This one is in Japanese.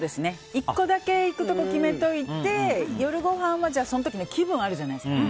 １個だけ行くとこ決めといて夜ごはんはその時の気分があるじゃないですか。